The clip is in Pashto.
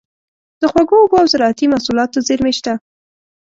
د خوږو اوبو او زارعتي محصولاتو زیرمې شته.